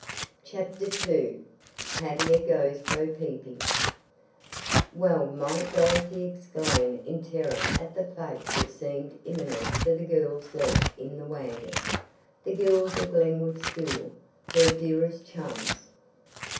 CHAPTER II TAVIA GOES BO PEEPING Well might Dorothy exclaim in terror at the fate that seemed imminent for the girls left in the wagon the girls of Glenwood School her dearest chums.